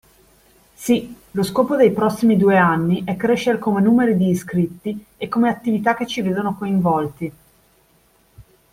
Sì, lo scopo dei prossimi due anni è crescere come numeri di iscritti e come attività che ci vedono coinvolti.